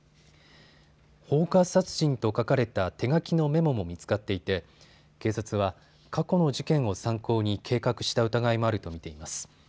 放火殺人と書かれた手書きのメモも見つかっていて警察は過去の事件を参考に計画した疑いもあると見ています。